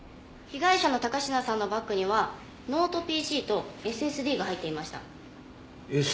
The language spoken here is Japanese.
被害者の高階さんのバッグにはノートＰＣとＳＳＤが入っていました。